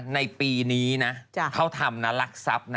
ในปีนี้เขาทำลักษัพ